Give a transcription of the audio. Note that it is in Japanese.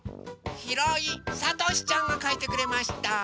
ひろいさとしちゃんがかいてくれました。